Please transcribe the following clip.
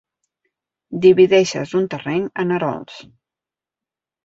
Divideixes un terreny en erols.